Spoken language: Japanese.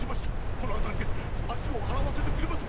このへんで足を洗わせてくれませんか？